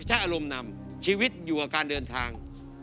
ใช้อารมณ์นำชีวิตอยู่กับการเดินทาง